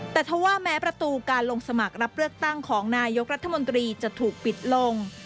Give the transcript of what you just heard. แต่ถ้าว่าแม้ประตูการลงสมัครรับเลือกตั้งของนายกรัฐมนตรีจะถูกปิดลง